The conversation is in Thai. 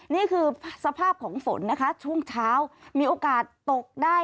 นี่คือสภาพของฝนนะคะช่วงเช้ามีโอกาสตกได้